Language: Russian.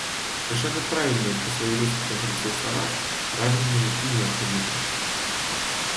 Совершенно правильные по своей русской конструкции слова, правильные и необходимые.